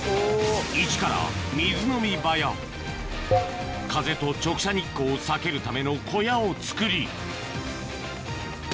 イチから水飲み場や風と直射日光を避けるための小屋をつくりＯＫ！